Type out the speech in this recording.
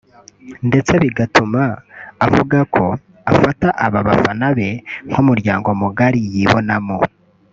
ndetse bigatuma avuga ko afata aba bafana be nk’umuryango mugari yibonamo